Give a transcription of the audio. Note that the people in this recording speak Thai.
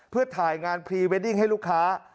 เพื่อถ่ายงานพรีเวดดิ้งให้ลูกค้า